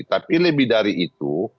tapi lebih dari itu